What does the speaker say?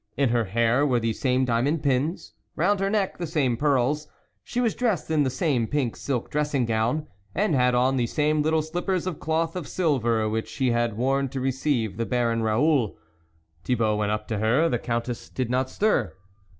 In her hair were the same diamond pins, round her neck the same pearls ; she was dressed in the same pink silk dressing gown, and had on the same little slippers of cloth of silver which she had worn to receive the Baron Raoul. Thibault went up to her ; the Countess did not stir.